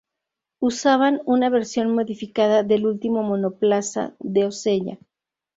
Usaban una versión modificada del último monoplaza de Osella.